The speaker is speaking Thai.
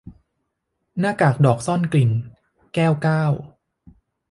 หน้ากากดอกซ่อนกลิ่น - แก้วเก้า